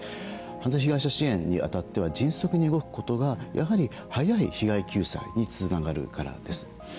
犯罪被害者支援に当たっては迅速に動くことがやはり早い被害救済につながるからです。